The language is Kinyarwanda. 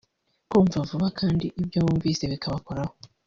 Kumva vuba kandi ibyo bumvise bikabakoraho